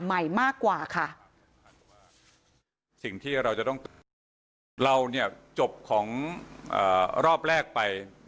ใหม่มากกว่าค่ะ